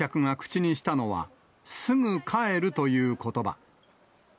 観光客が口にしたのは、すぐ帰るということば。